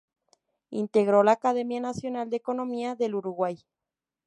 Integró la Academia Nacional de Economía del Uruguay.